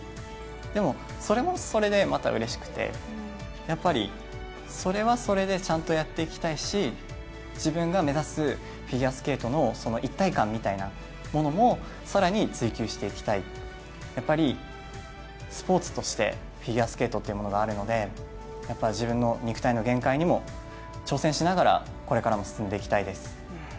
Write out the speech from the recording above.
でも、それもそれでまたうれしくてそれはそれでちゃんとやっていきたいし自分が目指すフィギュアスケートの一体感みたいなものも更に追及していきたい、スポーツとしてフィギュアスケートというものがあるので自分の肉体の限界にも挑戦しながらこれからも進んでいきたいです。